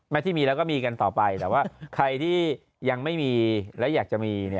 ที่มีแล้วก็มีกันต่อไปแต่ว่าใครที่ยังไม่มีและอยากจะมี